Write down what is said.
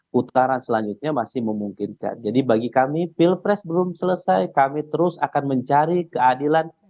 putaran selanjutnya masih memungkinkan jadi bagi kami pilpres belum selesai kami terus akan mencari keadilan